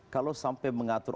kalau sampai mengatur